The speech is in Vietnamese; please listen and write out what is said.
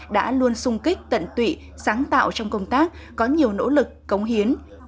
đã luôn sung kích tận tụy sáng tạo trong công tác có nhiều nỗ lực cống hiến